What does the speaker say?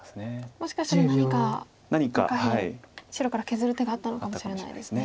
もしかしたら何か下辺白から削る手があったのかもしれないですね。